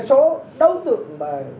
số đấu tượng